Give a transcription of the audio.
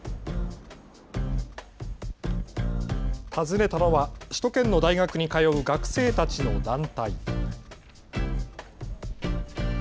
訪ねたのは首都圏の大学に通う学生たちの団体。